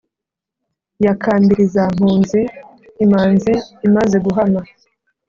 Ya Kambilizampunzi, imanzi maze guhama.